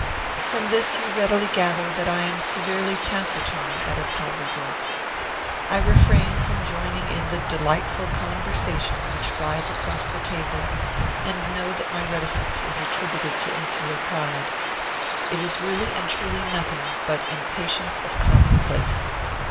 From this you readily gather that I am severely taciturn at a table d'hote. I refrain from joining in the "delightful conversation" which flies across the table, and know that my reticence is attributed to "insular pride." It is really and truly nothing but impatience of commonplace.